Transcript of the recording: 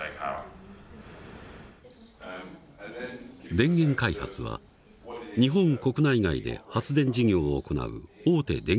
電源開発は日本国内外で発電事業を行う大手電気事業者。